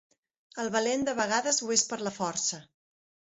El valent de vegades ho és per la força.